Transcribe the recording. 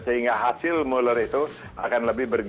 sehingga hasil mueller itu akan